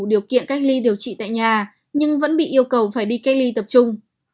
điều kiện cách ly điều trị tại nhà nhưng vẫn bị yêu cầu phải đi cách ly tập trung